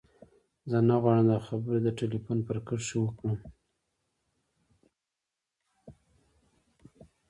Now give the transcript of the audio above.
زه نه غواړم دا خبرې د ټليفون پر کرښه وکړم.